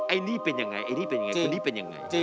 ไอ้นี่เป็นยังไงไอ้นี่เป็นยังไงคนนี้เป็นยังไง